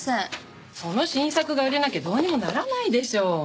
その新作が売れなきゃどうにもならないでしょ。